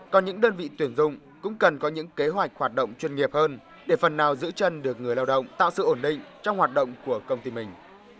còn những đơn vị tuyển dụng cũng cần có những kế hoạch hoạt động chuyên nghiệp hơn để phần nào giữ chân được người lao động tạo sự ổn định trong hoạt động của công ty mình